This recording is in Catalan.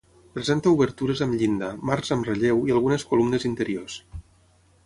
Presenta obertures amb llinda, marcs amb relleu i algunes columnes interiors.